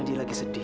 dia lagi sedih